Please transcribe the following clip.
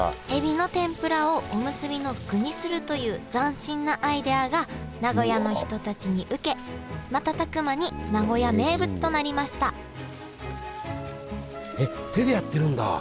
エビの天ぷらをおむすびの具にするという斬新なアイデアが名古屋の人たちに受けまたたく間に名古屋名物となりましたえっ手でやってるんだ！